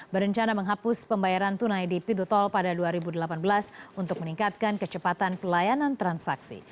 berencana menghapus pembayaran tunai di pintu tol pada dua ribu delapan belas untuk meningkatkan kecepatan pelayanan transaksi